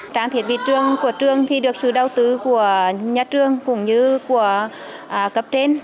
trang thiết bị trường của trường thì được sự đầu tư của nhà trường cũng như của cấp trên